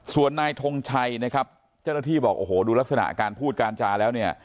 ส่วนนายทงชัยนะครับเจ้าหน้าที่บอกโอ้โหดูลักษณะการพูดการจาแล้วเนี่ย